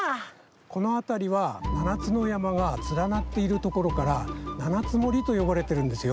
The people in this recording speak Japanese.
このあたりは７つのやまがつらなっているところから七ツ森とよばれてるんですよ。